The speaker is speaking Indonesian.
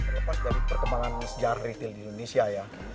lepas dari perkembangan sejarah ritel di indonesia